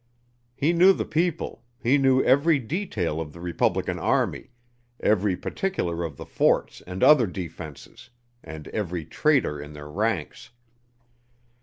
He knew the people, he knew every detail of the Republican army, every particular of the forts and other defenses, and every traitor in their ranks.